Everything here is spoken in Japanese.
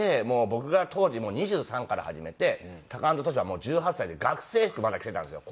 僕が当時２３から始めてタカアンドトシは１８歳で学生服まだ着てたんですよ。